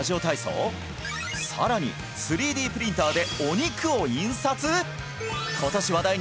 さらに３Ｄプリンターでお肉を印刷！？